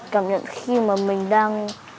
cảm nhận khi mà mình đang